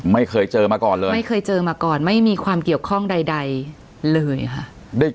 ไม่เคยเจอมาก่อนเลยไม่เคยเจอมาก่อนไม่มีความเกี่ยวข้องใดเลยค่ะ